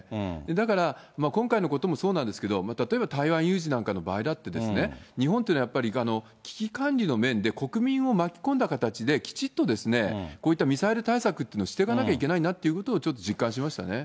だから、今回のこともそうなんですけど、例えば台湾有事などの場合だって、日本というのは、やっぱり危機管理の面で、国民を巻き込んだ形で、きちっと、こういったミサイル対策っていうのをしていかなきゃいけないなということをちょっと実感しましたね。